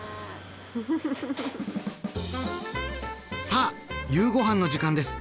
さあ夕ごはんの時間です！